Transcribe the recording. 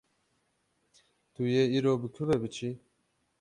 Tu yê îro bi ku ve biçî?